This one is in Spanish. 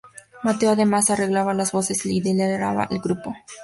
Mateo además arreglaba las voces y lideraba el grupo.